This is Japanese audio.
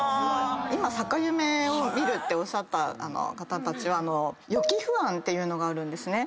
今逆夢を見るっておっしゃった方たちは予期不安というのがあるんですね。